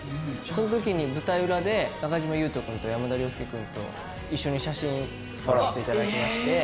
その時に舞台裏で中島裕翔君と山田涼介君と一緒に写真を撮らせていただきまして。